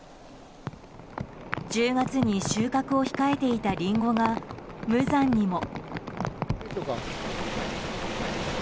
１０月に収穫を控えていたリンゴが無残にも。